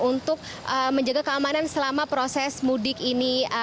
untuk menjaga keamanan selama proses mudik ini